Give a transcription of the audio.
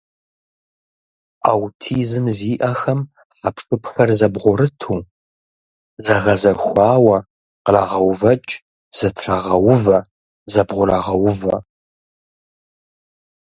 Аутизм зиӀэхэм хьэпшыпхэр зэбгъурыту, зэгъэзэхуауэ кърагъэувэкӀ, зэтрагъэувэ, зэбгъурагъэувэ.